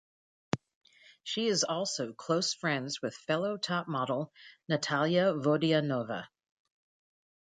She is also close friends with fellow top model Natalia Vodianova.